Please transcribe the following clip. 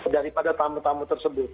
daripada tamu tamu tersebut